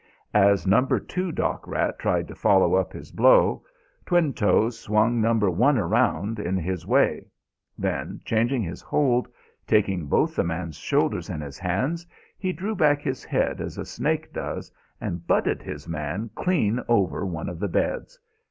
As number two dock rat tried to follow up his blow, Twinetoes swung number one round in his way; then, changing his hold, taking both the man's shoulders in his hands, he drew back his head as a snake does and butted his man clean over one of the beds....